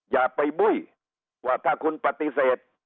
อย่าไปบุ้ยว่าถ้าคุณปฏิเสธ